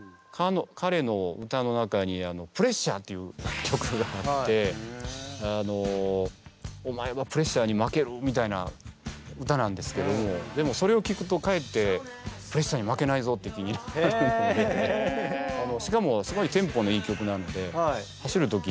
かれの歌の中に「Ｐｒｅｓｓｕｒｅ」っていう曲があって「お前はプレッシャーに負ける」みたいな歌なんですけどもでもそれをきくとかえって「プレッシャーに負けないぞ」って気になるのでしかもすごいテンポのいい曲なので走る時にぴったりの。